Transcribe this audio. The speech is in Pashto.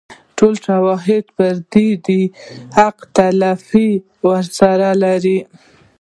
ټول تاریخي شواهد پر دې حقیقت اتفاق سره لري.